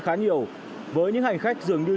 khá nhiều với những hành khách dường như